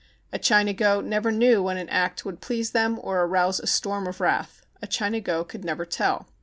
A Chinago never knew when an act would please them or arouse a storm of wrath. A Chinago could never tell.